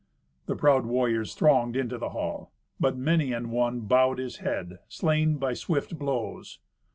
The proud warriors thronged into the hall, but many an one bowed his head, slain by swift blows.